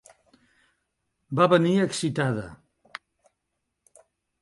Va venir excitada.